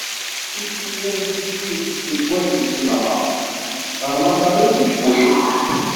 Tikti-ya n tikli deg ass n lǧemɛa, ɣer Maṣer i tt-id-wwin.